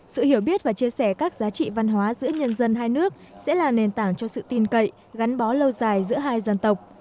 sự hiểu biết và chia sẻ các giá trị văn hóa giữa nhân dân hai nước sẽ là nền tảng cho sự tin cậy gắn bó lâu dài giữa hai dân tộc